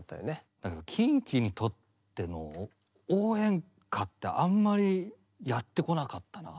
だけどＫｉｎＫｉにとっての応援歌ってあんまりやってこなかったなあ。